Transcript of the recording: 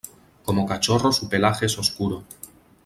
Como cachorro su pelaje es oscuro.